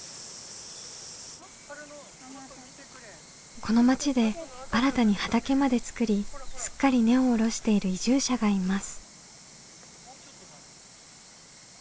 この町で新たに畑まで作りすっかり根を下ろしている移住者がいます。